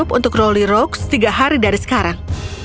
kami akan mencari jubah untuk rolly rogues tiga hari dari sekarang